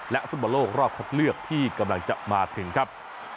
ฟุตบอลโลกรอบคัดเลือกที่กำลังจะมาถึงครับ